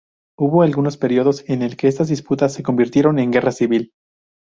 Hubo algunos periodos en los que estas disputas se convirtieron en guerra civil.